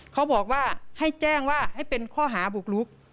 เขาบอกว่าให้แจ้งว่าให้เป็นข้อหาบุกลุก